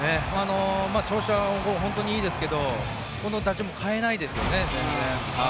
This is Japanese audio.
調子は本当にいいですけど打順も全然変えないですよね。